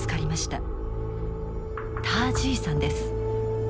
ター・ジーさんです。